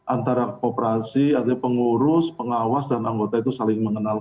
antara kooperasi artinya pengurus pengawas dan anggota itu saling mengenal